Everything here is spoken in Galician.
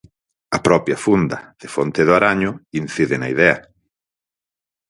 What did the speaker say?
A propia funda de Fonte do Araño incide na idea.